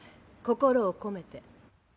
心を込めて。